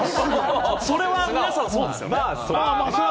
それは皆さん、そうですよね。